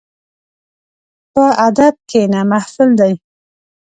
په ادب کښېنه، محفل دی.